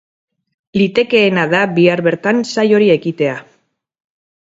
Litekeena da bihar bertan saiori ekitea.